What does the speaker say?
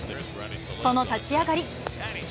その立ち上がり。